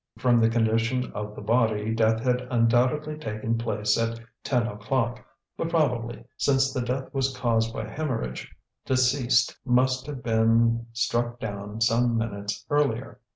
From the condition of the body, death had undoubtedly taken place at ten o'clock, but probably, since the death was caused by hæmorrhage, deceased must have been struck down some minutes earlier.